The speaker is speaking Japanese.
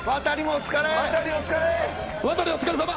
お疲れさま。